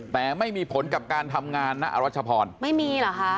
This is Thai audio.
แต่ไม่มีผลกับการทำงานนะอรัชพรไม่มีเหรอคะ